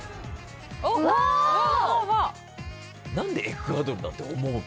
何でエクアドルだと思うの？